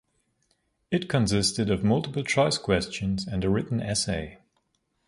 It consisted of multiple-choice questions and a written essay.